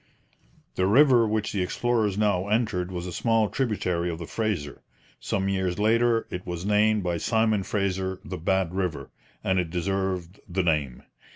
The river which the explorers now entered was a small tributary of the Fraser. Some years later it was named by Simon Fraser the Bad River, and it deserved the name.